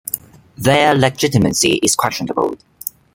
Their legitimacy is questionable.